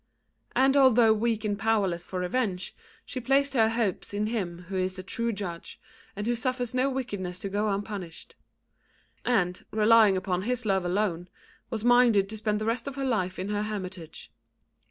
And although weak and powerless for revenge, she placed her hopes in Him who is the true Judge, and who suffers no wickedness to go unpunished; and, relying upon His love alone, was minded to spend the rest of her life in her hermitage.